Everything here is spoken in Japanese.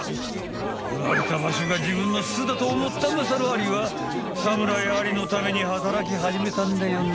生まれた場所が自分の巣だと思ったまさるアリはサムライアリのために働き始めたんだよね。